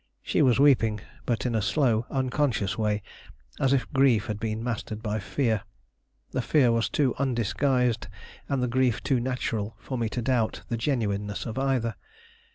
She was weeping, but in a slow, unconscious way, as if grief had been mastered by fear. The fear was too undisguised and the grief too natural for me to doubt the genuineness of either.